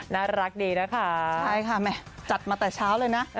น่ารักดีนะคะใช่ค่ะแม่จัดมาแต่เช้าเลยนะ